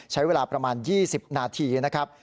ใช้เวลาประมาณ๒๐นาทีนะครับ